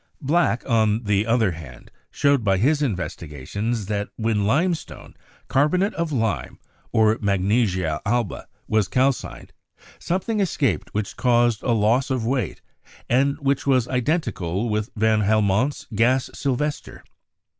Black, on the other hand, showed by his investigations that when limestone (carbonate of lime) or "Magnesia alba" was calcined, something escaped which caused a loss of weight and which was identical with van Helmont's "gas sylves tre."